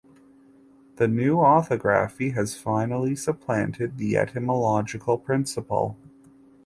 The new orthography has finally supplanted the etymological principle.